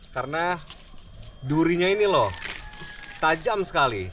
karena durinya ini loh tajam sekali